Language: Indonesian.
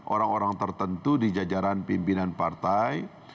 orang orang tertentu di jajaran pimpinan partai